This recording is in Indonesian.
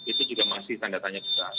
itu juga masih standartannya besar